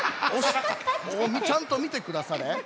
ちゃんとみてくだされ。